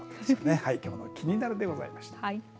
きょうのキニナル！でございました。